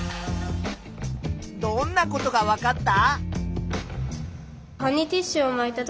どんなことがわかった？